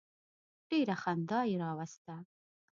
ډېره خندا یې راوسته.